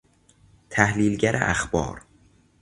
تحلیلگر اخبار